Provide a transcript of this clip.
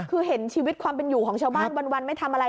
คือเห็นชีวิตความเป็นอยู่ของชาวบ้านวันไม่ทำอะไร